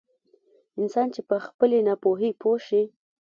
انسان چې په خپلې ناپوهي پوه شي.